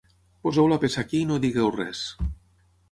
Poseu la peça aquí i no digueu res.